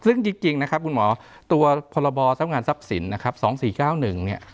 ซึ่งจริงนะครับคุณหมอตัวพรบทรัพย์งานทรัพย์สินนะครับ๒๔๙๑เนี่ย